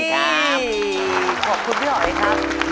นี่ขอบคุณพี่หอยครับ